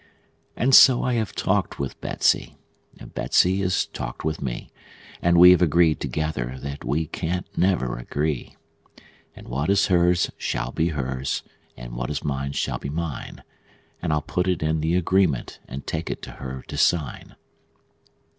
And so I have talked with Betsey, and Betsey has talked with me, And we have agreed together that we can't never agree; And what is hers shall be hers, and what is mine shall be mine; And I'll put it in the agreement, and take it to her to sign.